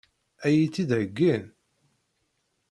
Ad iyi-tt-id-heggin?